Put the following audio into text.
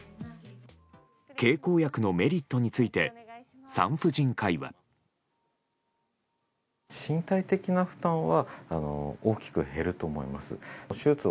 経口薬のメリットについて産婦人科医は。